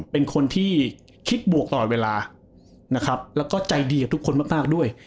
เป็นคนที่คิดบวกตลอดเวลานะครับแล้วก็ใจดีกับทุกคนมากด้วย